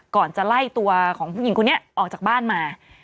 ก่อนจะไล่ตัวของผู้หญิงคนนี้ออกจากบ้านมา